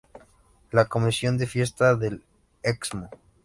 La Comisión de Fiestas del Excmo.